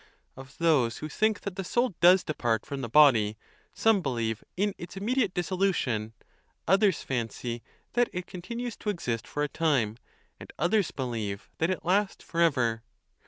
Of those who think that the soul does de part from the body, some believe in its immediate disso lution; others fancy that it continues to exist for a time; and others believe that it lasts forever.